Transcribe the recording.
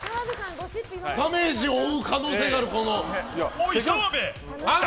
ダメージを追う可能性がある！